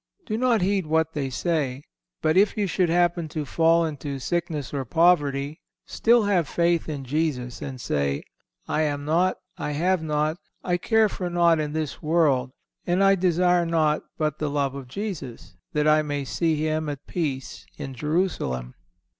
Do not heed what they say, but if you should happen to fall into sickness or poverty, still have faith in Jesus, and say, "I am naught, I have naught, I care for naught in this world, and I desire naught but the love of Jesus, that I may see Him at peace in Jerusalem."